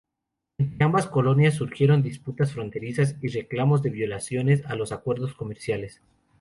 Entre ambas colonias surgieron disputas fronterizas y reclamos de violaciones a los acuerdos comerciales.